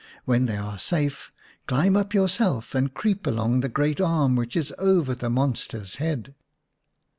When they are safe, climb up yourself and creep along the great arm which is over the monster's head."